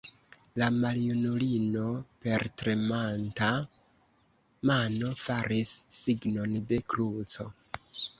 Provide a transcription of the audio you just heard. La maljunulino per tremanta mano faris signon de kruco.